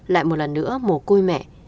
lại một lần nữa mồ côi mẹ